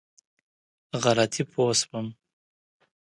غلطي پوه شوم.